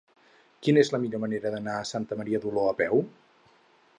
Quina és la millor manera d'anar a Santa Maria d'Oló a peu?